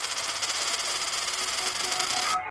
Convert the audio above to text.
چی هر لوري ته یې مخ سي موږ منلی.